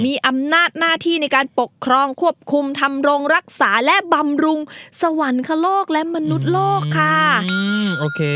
มีอำนาจหน้าที่ในการปกครองควบคุมทำรงรักษาและบำรุงสวรรคโลกและมนุษย์โลกค่ะ